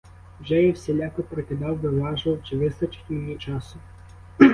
Вже я всіляко прикидав, виважував, чи вистачить мені часу?